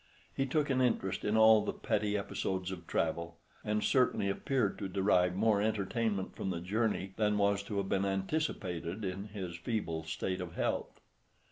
He took an interest in all the petty episodes of travel, and certainly appeared to derive more entertainment from the journey than was to have been anticipated in his feeble state of health.